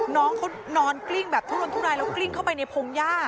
น้องเขานอนกลิ้งแบบทุลนทุรายแล้วก็กลิ้งเข้าไปในพงหญ้า